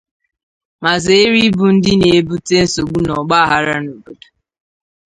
ma zèéré ịbụ ndị na-ebute nsogbu na ọgbaaghara n'obodo